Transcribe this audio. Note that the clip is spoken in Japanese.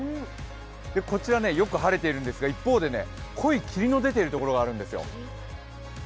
こちら、よく晴れているんですが、一方で濃い霧が出ている所があるんですよ。